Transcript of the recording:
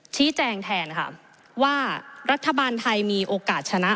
ชี้แจงแทนค่ะว่ารัฐบาลไทยมีโอกาสชนะ